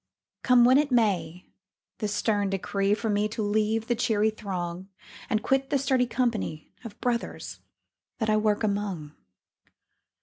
Come when it may, the stern decree For me to leave the cheery throng And quit the sturdy company Of brothers that I work among.